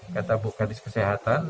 kata bukadis kesehatan